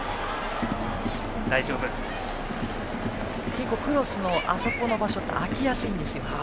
結構クロスのあそこの場所って空きやすいんですよ。